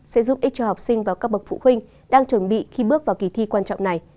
sẽ giúp ích cho học sinh và các bậc phụ huynh đang chuẩn bị khi bước vào kỳ thi quan trọng này